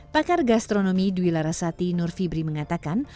pakar gastronomi duwila rasati nur fibri mengatakan